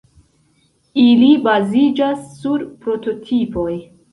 Ili baziĝas sur prototipoj.